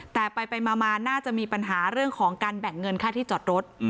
แต่ไปมาน่าจะมีปัญหาเรื่องของการแบ่งเงินค่าที่จอดรถ